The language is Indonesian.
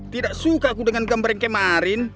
tidak suka aku dengan gambar yang kemarin